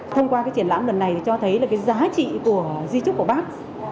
thông qua cái triển lãm lần này thì cho thấy là cái giá trị của di chúc của bắc